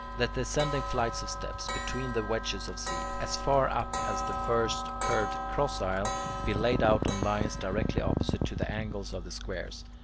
Let the ascending flights of steps between the wedges of seats, as far up as the first curved cross aisle, be laid out on lines directly opposite to the angles of the squares.